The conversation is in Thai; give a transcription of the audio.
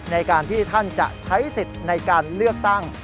ในการที่ท่านจะใช้สิทธิ์ในการเลือกตั้ง